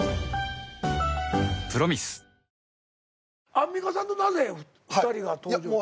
アンミカさんとなぜ２人が登場？